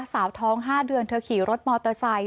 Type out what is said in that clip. สาวท้อง๕เดือนเธอขี่รถมอเตอร์ไซค